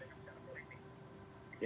ya di politik ini ya